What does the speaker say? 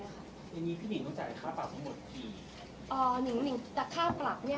อันนี้พี่หนึ่งต้องจ่ายค่าปรับทั้งหมดที